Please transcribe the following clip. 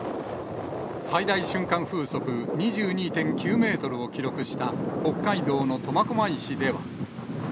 最大瞬間風速２２．９メートルを記録した北海道の苫小牧市では。